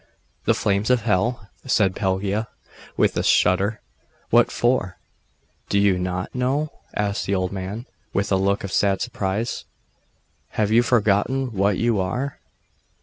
'The flames of hell?' said Pelagia, with a shudder. 'What for?' 'Do you not know?' asked the old man, with a look of sad surprise. 'Have you forgotten what you are?